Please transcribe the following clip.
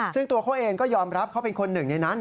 ซึ่งตัวเขาเองก็ยอมรับเขาเป็นคนหนึ่งในนั้น